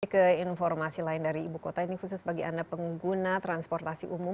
ke informasi lain dari ibu kota ini khusus bagi anda pengguna transportasi umum